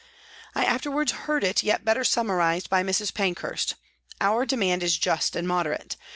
I afterwards heard it yet better summarised by Mrs. Pankhurst :" Our demand is just and moderate.